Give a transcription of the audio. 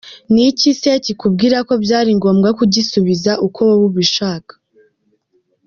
Ni iki se kikubwira ko byari ngombwa kugisubiza uko wowe ubishaka!?